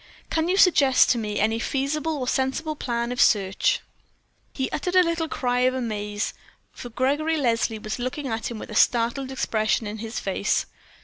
Can you suggest to me any feasible or sensible plan of search?" Then he uttered a little cry of amaze, for Gregory Leslie was looking at him with a startled expression in his face.